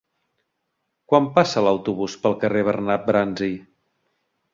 Quan passa l'autobús pel carrer Bernat Bransi?